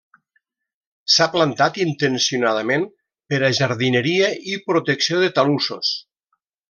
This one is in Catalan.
S'ha plantat intencionadament per a jardineria i protecció de talussos.